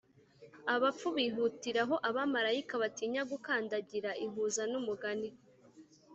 abapfu bihutira aho abamarayika batinya gukandagira ihuza n'umugani